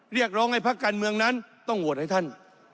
เรียกร้องให้พักการเมืองนั้นต้องโหวตให้ท่าน